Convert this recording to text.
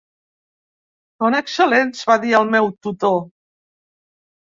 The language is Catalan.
"Són excel·lents", va dir el meu tutor.